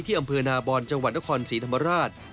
อำเภอนาบอนจังหวัดนครศรีธรรมราช